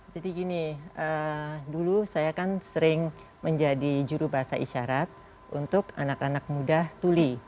jadi gini dulu saya kan sering menjadi juru bahasa isyarat untuk anak anak muda tuli